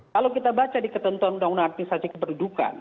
kalau kita baca di ketentuan undang undang artisasi keperdukan